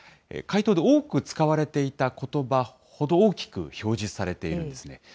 回答で多く使われていたことばほど大きく表示されているんですね。